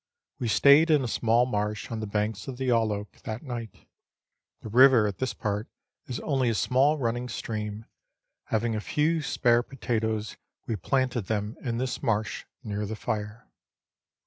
We stayed in a small marsh on the banks of the Yalloak that night. The river at this part is only a small running stream. Having a few spare potatoes, we planted them in this marsh near the fire.